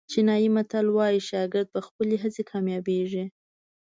چینایي متل وایي شاګرد په خپلې هڅې کامیابېږي.